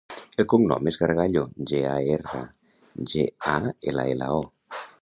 El cognom és Gargallo: ge, a, erra, ge, a, ela, ela, o.